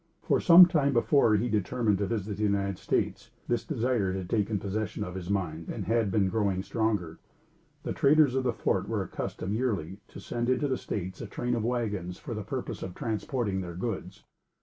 For some time before he determined to visit the United States, this desire had taken possession of his mind and had been growing stronger. The traders of the Fort were accustomed, yearly, to send into the States a train of wagons, for the purpose of transporting their goods.